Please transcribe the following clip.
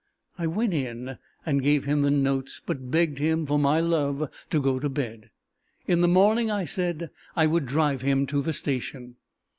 I went in, and gave him the notes, but begged him, for my love, to go to bed. In the morning, I said, I would drive him to the station.